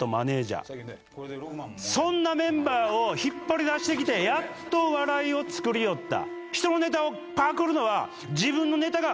そんなメンバーを引っ張り出してきてやっと笑いをつくりよった。